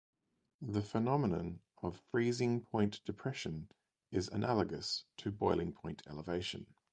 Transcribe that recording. The phenomenon of freezing-point depression is analogous to boiling point elevation.